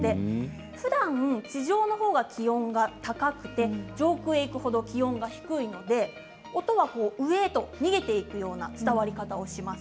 ふだん地上の方が気温が高くて上空へ行く程、気温が低いので音は上へと逃げていくような伝わり方をします。